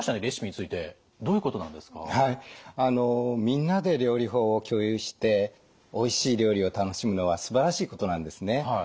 みんなで料理法を共有しておいしい料理を楽しむのはすばらしいことなんですね。